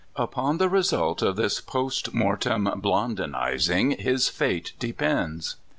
Upon the result of this fost mortein Blondinizing his fate depends.